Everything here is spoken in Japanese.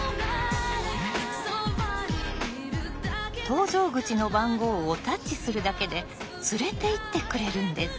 搭乗口の番号をタッチするだけで連れていってくれるんです。